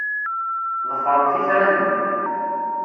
Ḍefremt itran-nni.